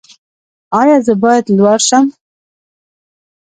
ایا زه باید لور شم؟